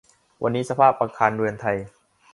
วันนี้สภาพอาคารเรือนไทย